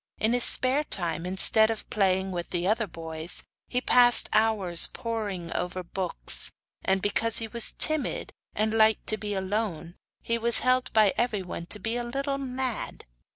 In his spare time, instead of playing with the other boys, he passed hours poring over books, and because he was timid and liked to be alone he was held by everyone to be a little mad.